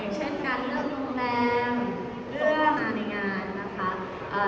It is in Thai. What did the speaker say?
อย่างเช่นการเลือกโรงแบบเรื่องอาหารในงานนะคะ